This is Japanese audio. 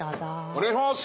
お願いします。